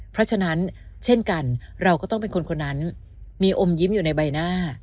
เพราะฉะนั้นเช่นกันเราก็ต้องเป็นคนคนนั้นมีอมยิ้มอยู่ในใบหน้า